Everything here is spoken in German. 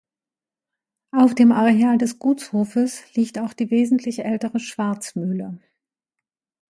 Auf dem Areal des Gutshofes liegt auch die wesentlich ältere "Schwarzmühle".